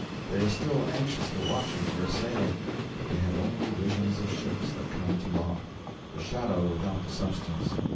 They are still anxiously watching for a sail, but they have only 'visions of ships that come to naught the shadow without the substance.'